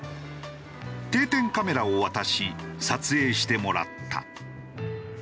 定点カメラを渡し撮影してもらった。